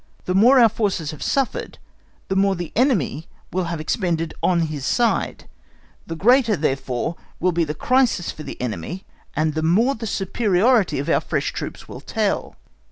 The more our forces have suffered, the more the enemy will have expended on his side; the greater, therefore, will be the crisis for the enemy, and the more the superiority of our fresh troops will tell.